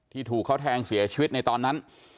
ถูกเขาแทงเสียชีวิตในตอนนั้น